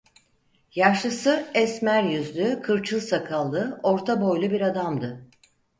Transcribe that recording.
Yaşlısı, esmer yüzlü, kırçıl sakallı, orta boylu bir adamdı.